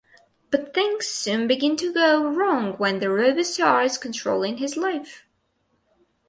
But things soon begin to go wrong when the robot starts controlling his life.